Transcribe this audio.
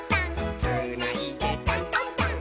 「つーないでタントンタン」